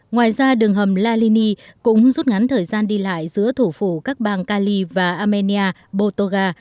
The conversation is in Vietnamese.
ngoài ra đường hầm la lini cũng rút ngắn thời gian đi lại giữa thủ phủ các bang cali và armenia botoga